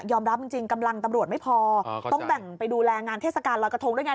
ยอมรับจริงจริงกำลังตำรวจไม่พออ๋อเขาเข้าใจต้องแบ่งไปดูแลงานเทศกาลรอยกระทงด้วยไง